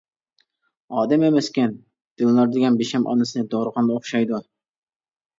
ئادەم ئەمەسكەن، دىلنار دېگەن بىشەم ئانىسىنى دورىغان ئوخشايدۇ.